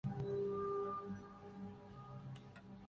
Luego se dedicó a la escuela secundaria de sordos.